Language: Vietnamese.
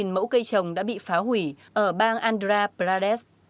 sáu trăm linh mẫu cây trồng đã bị phá hủy ở bang andhra pradesh